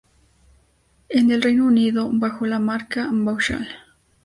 En el Reino Unido bajo la marca Vauxhall.